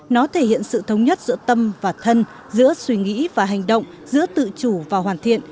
nó thể hiện sự thống nhất giữa tâm và thân giữa suy nghĩ và hành động giữa tự chủ và hoàn thiện